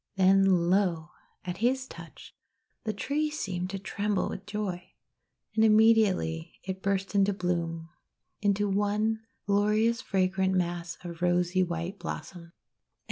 Then, lo! at his touch, the tree seemed to tremble with joy. And immediately it burst into bloom, — into one glorious fragrant mass of rosy white blossoms.